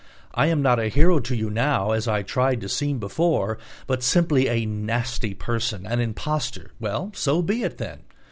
I am not a hero to you now, as I tried to seem before, but simply a nasty person, an impostor. Well, so be it, then!